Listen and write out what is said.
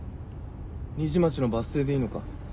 虹町のバス停でいいのか？